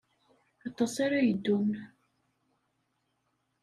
Aṭas ara yeddun.